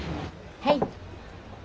はい。